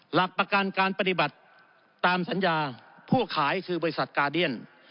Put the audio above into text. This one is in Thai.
หลักประกันการปฏิบัติตามสัญญาผู้ขายคือบริษัทกาเดียน